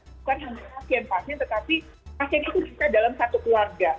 bukan hanya pasien pasien tetapi pasien itu bisa dalam satu keluarga